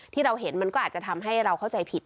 ที่เราเห็นมันก็อาจจะทำให้เราเข้าใจผิด